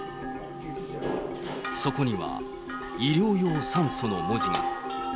そこには医療用酸素の文字が。